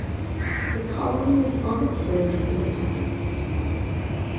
The colony was on its way to independence.